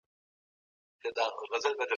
د سياسي اصطلاحاتو سمه کارونه زده کړئ.